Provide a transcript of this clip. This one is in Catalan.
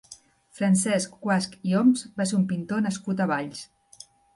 Francesc Guasch i Homs va ser un pintor nascut a Valls.